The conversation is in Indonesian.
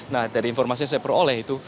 nah dari informasi yang saya peroleh itu